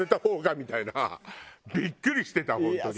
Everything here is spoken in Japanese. ビックリしてた本当に。